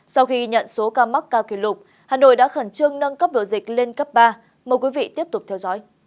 sau khi nhận số ca mắc cao kỷ lục hà nội đã khẩn trương nâng cấp độ dịch lên cấp ba mời quý vị tiếp tục theo dõi